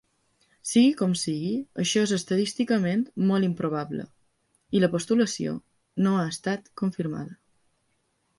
Sigui com sigui, això és estadísticament molt improbable, i la postulació no ha estat confirmada.